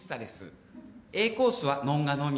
Ａコースはノンガのみ。